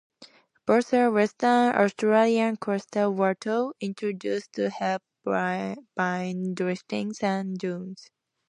Both are Western Australian coastal wattles, introduced to help bind drifting sand dunes.